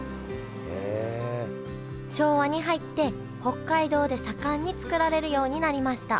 昭和に入って北海道で盛んに作られるようになりました